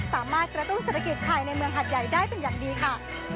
สามารถกระตุ้นเศรษฐกิจภายในเมืองหัดใหญ่ได้เป็นอย่างดีค่ะ